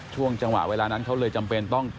ช่วงจังหวะเวลานั้นเขาเลยจำเป็นต้อง